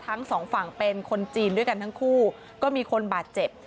ทั้งสองฝั่งเป็นคนจีนด้วยกันทั้งคู่ก็มีคนบาดเจ็บ